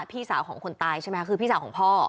พี่สาวของคนตายใช่ไหมคะคือพี่สาวของพ่อ